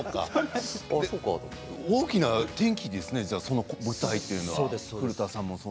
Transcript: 大きな転機ですよね舞台というのは。